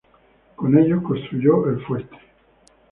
Con ellos construyó el fuerte.